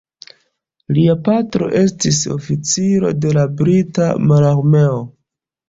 Lia patro estis oficiro de la brita mararmeo.